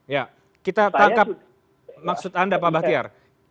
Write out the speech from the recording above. ya kita tangkap maksud anda pak bahtiar